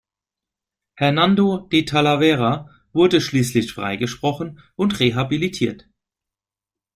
Hernando de Talavera wurde schließlich freigesprochen und rehabilitiert.